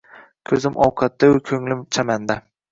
Ko‘zim ovqatda-yu, ko‘nglim chamanda